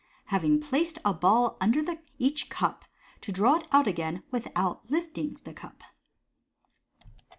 Having Placed a Ball under each Cur, to draw it out again without Lifting the Cup.